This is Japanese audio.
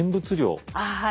ああはい。